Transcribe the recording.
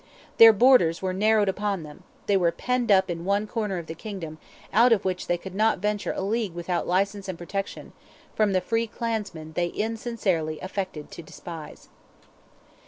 Their borders were narrowed upon them; they were penned up in one corner of the kingdom, out of which they could not venture a league without license and protection, from the free clansmen they insincerely affected to despise.